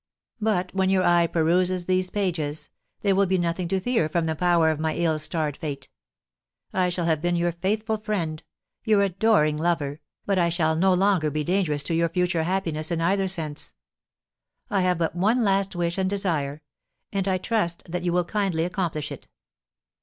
But, when your eye peruses these pages, there will be nothing to fear from the power of my ill starred fate. I shall have been your faithful friend, your adoring lover, but I shall no longer be dangerous to your future happiness in either sense. I have but one last wish and desire, and I trust that you will kindly accomplish it.